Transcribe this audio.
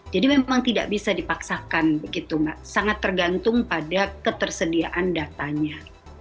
jadi memang tidak bisa dipaksakan begitu sangat tergantung pada ketersediaan datanya